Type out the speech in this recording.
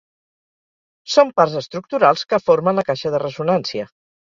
Són parts estructurals que formen la caixa de ressonància.